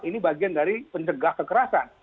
ini bagian dari pencegah kekerasan